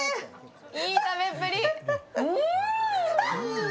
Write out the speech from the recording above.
いい食べっぷり。